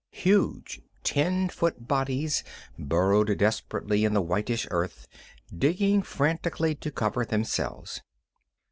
Huge, ten foot bodies burrowed desperately in the whitish earth, digging frantically to cover themselves.